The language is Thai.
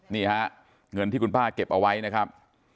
นี่ฮะเงินที่คุณป้าเก็บเอาไว้นะครับ